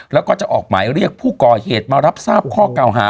แล้วก็จะออกหมายเรียกผู้ก่อเหตุมารับทราบข้อเก่าหา